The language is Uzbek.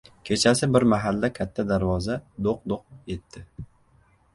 Kechasi bir mahalda katta darvoza do‘q-do‘q etdi.